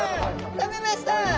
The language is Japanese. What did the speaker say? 食べました！